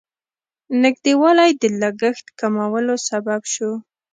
نږدېوالی د لګښت کمولو سبب شو.